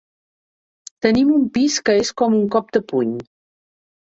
Tenim un pis que és com un cop de puny.